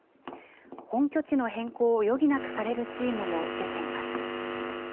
本拠地の変更を余儀なくされるチームも出ています。